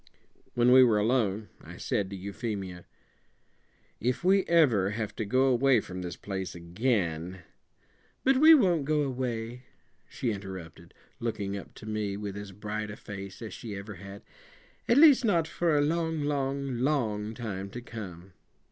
When we were alone, I said to Euphemia: "If we ever have to go away from this place again " "But we won't go away," she interrupted, looking up to me with as bright a face as she ever had; "at least, not for a long, long, long time to come.